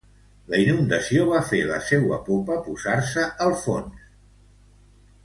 La inundació va fer la seua popa posar-se al fons.